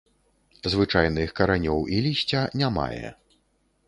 Звычайных каранёў і лісця не мае.